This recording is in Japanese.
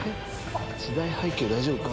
時代背景大丈夫か？